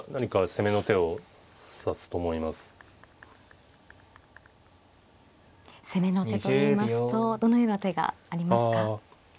攻めの手といいますとどのような手がありますか。